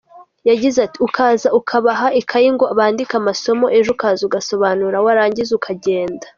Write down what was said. Yagize ati “Ukaza ukabaha ikayi ngo bandike amasomo, ejo ukaza ugasobanura warangiza ukagenda.